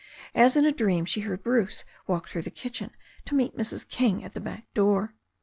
As in a dream she heard Bruce walk through the kitchen to meet Mrs. King at the back door.